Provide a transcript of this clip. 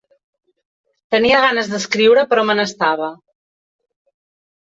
Tenia ganes d'escriure però me n'estava.